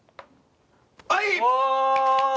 はい！